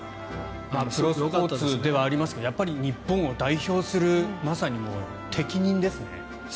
プロスポーツではありますがやっぱり日本を代表するまさに適任ですね。